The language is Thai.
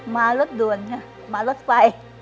มารถด่วนค่ะมารถไฟ